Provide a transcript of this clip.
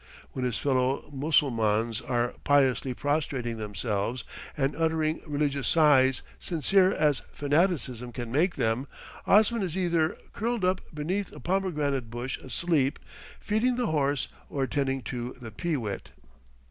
When his fellow Mussulmans are piously prostrating themselves and uttering religious sighs sincere as fanaticism can make them, Osman is either curled up beneath a pomegranate bush asleep, feeding the horse, or attending to the pee wit.